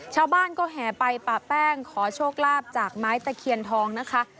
ชาวบ้านก็แห่ไปปะแป้งขอโชคลาภจากไม้ตะเคียนทองนะคะ